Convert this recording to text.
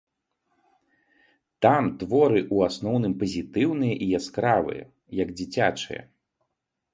Там творы ў асноўным пазітыўныя і яскравыя, як дзіцячыя.